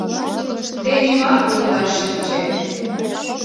— Те нимат огыда шинче.